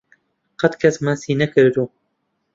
قەت کەس ماچی نەکردووم.